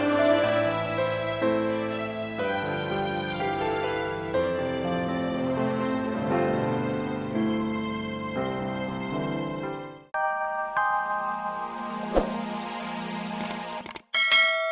kau tak bisa mencoba